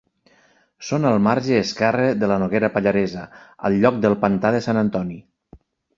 Són al marge esquerre de la Noguera Pallaresa al lloc del Pantà de Sant Antoni.